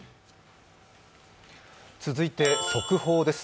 続いて、速報です。